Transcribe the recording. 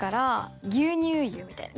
牛乳湯みたいな。